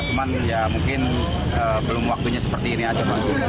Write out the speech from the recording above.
cuma ya mungkin belum waktunya seperti ini saja pak